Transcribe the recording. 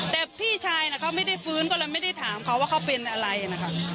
แต่พี่ชายเขาไม่ได้ฟื้นก็เลยไม่ได้ถามเขาว่าเขาเป็นอะไรนะคะ